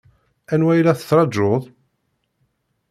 Anwa i la tettṛaǧuḍ?